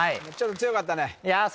ちょっと強かったねいや